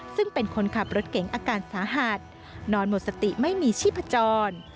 ซึ่งเป็นคนขับรถเก๋งอาการสาหัสนอนหมดสติไม่มีชีพจร